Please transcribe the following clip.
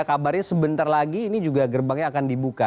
kabarnya sebentar lagi ini juga gerbangnya akan dibuka